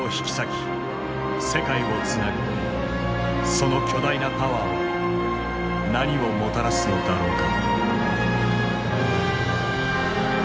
その巨大なパワーは何をもたらすのだろうか。